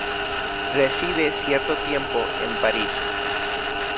Reside cierto tiempo en París.